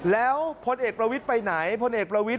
แล้วพลเอกประวิทย์ไปไหนพลเอกประวิทย